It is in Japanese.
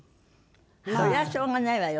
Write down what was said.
そりゃあしょうがないわよ。